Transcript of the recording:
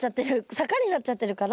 坂になっちゃってるから。